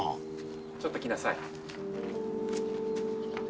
ちょっと来なさい。